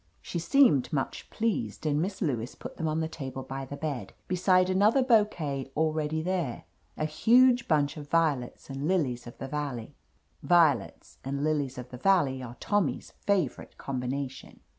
She seemed much pleased and Miss Lewis put them on the table by the bed, beside another bouquet already there, a Huge bunch of violets and lilies of the valley. Violets and lilies of the valley are Tommy's favorite combination